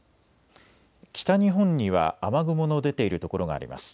北日本には雨雲の出ている所があります。